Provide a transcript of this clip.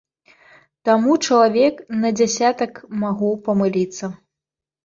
Таму чалавек на дзясятак магу памыліцца.